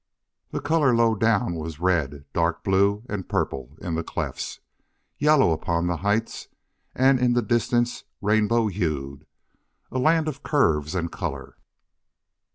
The color low down was red, dark blue, and purple in the clefts, yellow upon the heights, and in the distance rainbow hued. A land of curves and color!